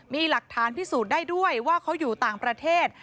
มีหลักฐานพิสูจน์ได้ด้วยว่าเขาอยู่ต่างประเทศ